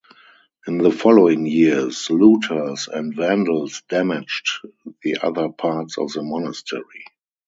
In the following years, looters and vandals damaged the other parts of the Monastery.